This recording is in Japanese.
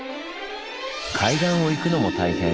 海岸を行くのも大変。